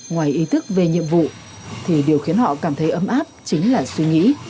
ngoài ý thức về nhiệm vụ thì điều khiến họ cảm thấy ấm áp chính là suy nghĩ